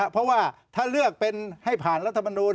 เพราะว่าถ้าเลือกเป็นให้ผ่านรัฐมนูล